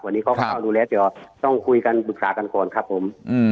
วันนี้เขาก็รู้แล้วเดี๋ยวต้องคุยกันปรึกษากันก่อนครับผม